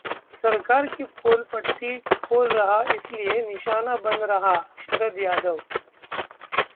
सरकार की पोल पट्टी खोल रहा इसलिए निशाना बन रहा: शरद यादव